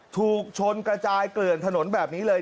ถูกชนกระจายเกลื่อนถนนแบบนี้เลย